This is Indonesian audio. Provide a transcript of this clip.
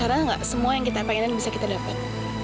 karena gak semua yang kita pengenin bisa kita dapat